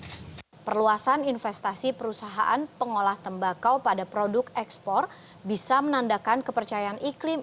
dan kemudian di dalam negeri juga bagus perluasan investasi perusahaan pengolah tembakau pada produk ekspor bisa menandakan kepercayaan iklim